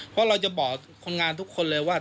เพราะเราจะบอกคนงานทุกคนเลยว่า